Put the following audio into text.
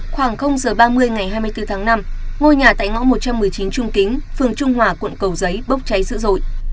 khoảng giờ ba mươi ngày hai mươi bốn tháng năm ngôi nhà tại ngõ một trăm một mươi chín trung kính phường trung hòa quận cầu giấy bốc cháy dữ dội